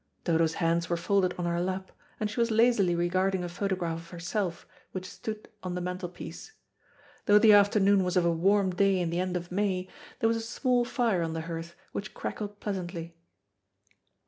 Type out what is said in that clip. Dodo's hands were folded on her lap, and she was lazily regarding a photograph of herself which stood oh the mantelpiece. Though the afternoon was of a warm day in the end of May, there was a small fire on the hearth which crackled pleasantly.